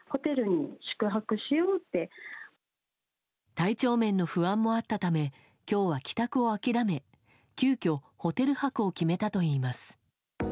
体調面の不安もあったため今日は帰宅を諦め急きょホテル泊を決めたといいます。